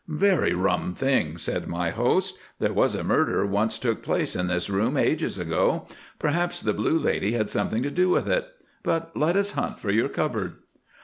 "'Very rum thing,' said my host; 'there was a murder once took place in this room ages ago. Perhaps the blue lady had something to do with it; but let us hunt for your cupboard.